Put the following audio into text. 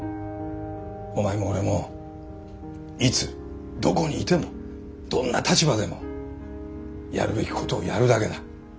お前も俺もいつどこにいてもどんな立場でもやるべきことをやるだけだ。